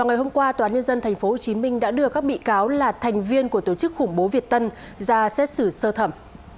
ngày hôm qua tnthq đã đưa các bị cáo là thành viên của tổ chức khủng bố việt tân ra xét xử sơ thẩm